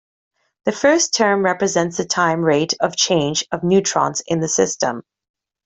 The first term represents the time rate of change of neutrons in the system.